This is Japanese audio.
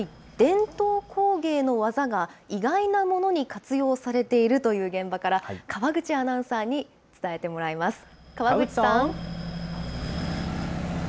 伝統工芸の技が意外なものに活用されているという現場から、川口アナウンサーに伝えてもらいます。